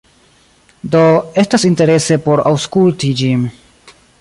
Do, estas interese por aŭskulti ĝin